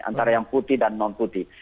antara yang putih dan non putih